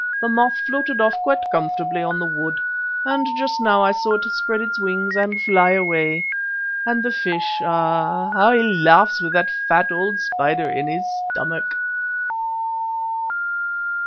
The moth floated off quite comfortably on the wood, and just now I saw it spread its wings and fly away. And the fish, ah! how he laughs with that fat old spider in his stomach!"